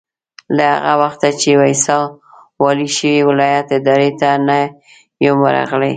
له هغه وخته چې ويساء والي شوی ولایت ادارې ته نه یم ورغلی.